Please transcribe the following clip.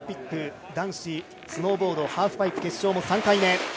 北京オリンピック男子スノーボード・ハーフパイプ決勝も３回目。